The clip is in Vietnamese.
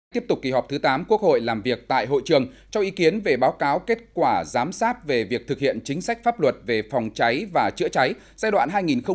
tiếp tục kỳ họp thứ tám quốc hội làm việc tại hội trường cho ý kiến về báo cáo kết quả giám sát về việc thực hiện chính sách pháp luật về phòng cháy và chữa cháy giai đoạn hai nghìn một mươi bốn hai nghìn một mươi tám